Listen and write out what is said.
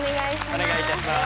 お願いいたします。